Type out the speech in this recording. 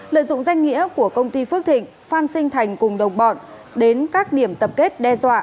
lợi dụng danh nghĩa của công ty phước thịnh phan sinh thành cùng đồng bọn đến các điểm tập kết đe dọa